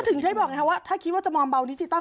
ถ้าถึงคือให้บอกแบบนี้ครับว่าถ้าคิดว่าจะมอมเบาดิจิทัล